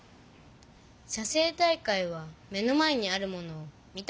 写生大会は目の前にあるものを見た